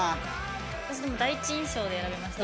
私でも第一印象で選びました。